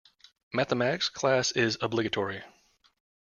Mathematics class is obligatory.